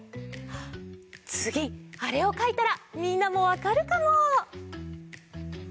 あっつぎあれをかいたらみんなもわかるかも！